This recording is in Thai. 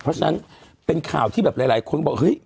เพราะฉะนั้นเป็นข่าวที่แบบหลายคนก็บอกเฮ้ย